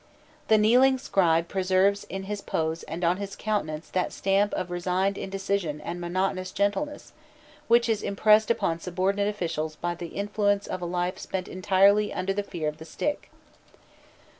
The "kneeling scribe" preserves in his pose and on his countenance that stamp of resigned indecision and monotonous gentleness which is impressed upon subordinate officials by the influence of a life spent entirely under the fear of the stick.